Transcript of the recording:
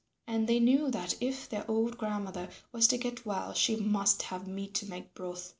And they knew that if their old grandmother was to get well she must have meat to make broth.